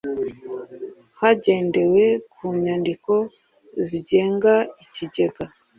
Hagendewe ku nyandiko zigenga ikigega